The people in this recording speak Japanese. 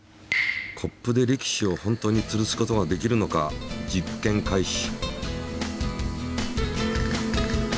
コップで力士を本当に吊るすことができるのか実験開始！